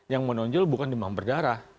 yang menonjol bukan demam berdarah